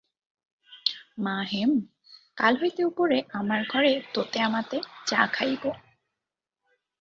মা হেম, কাল হইতে উপরে আমার ঘরে তোতে-আমাতে চা খাইব।